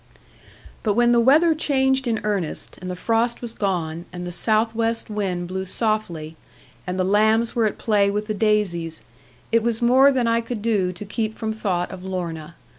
But when the weather changed in earnest, and the frost was gone, and the south west wind blew softly, and the lambs were at play with the daisies, it was more than I could do to keep from thought of Lorna.